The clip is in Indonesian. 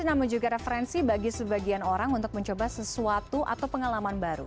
namun juga referensi bagi sebagian orang untuk mencoba sesuatu atau pengalaman baru